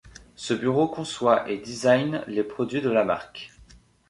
Ce bureau conçoit et design les produits de la marque.